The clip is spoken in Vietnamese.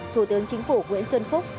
thủ tướng chính phủ nguyễn xuân phúc